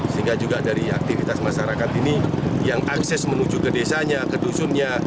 sehingga juga dari aktivitas masyarakat ini yang akses menuju ke desanya ke dusunnya